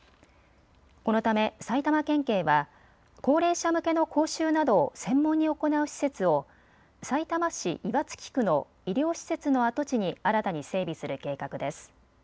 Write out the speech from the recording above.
このため埼玉県警は高齢者向けの講習などを専門に行う施設をさいたま市岩槻区の医療施設の跡地に新たに整備する計画です。